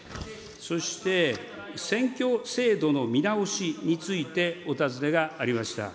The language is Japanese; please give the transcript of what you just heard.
そして選挙制度の見直しについて、お尋ねがありました。